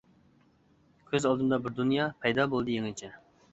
كۆز ئالدىمدا بىر دۇنيا، پەيدا بولدى يېڭىچە.